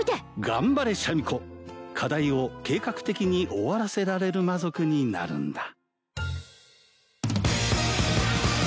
頑張れシャミ子課題を計画的に終わらせられる魔族になるんだ